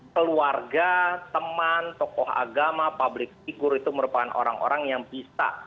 keluarga teman tokoh agama public figure itu merupakan orang orang yang bisa